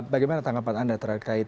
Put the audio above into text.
bagaimana tanggapan anda terkait